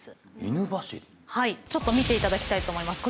ちょっと見て頂きたいと思います。